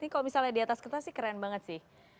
kalau misalnya di atas kertas sih keren banget sih